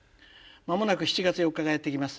「間もなく７月４日がやって来ます。